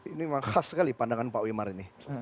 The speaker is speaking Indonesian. ini memang khas sekali pandangan pak wimar ini